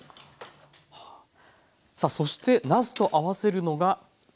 さあそしてなすと合わせるのが。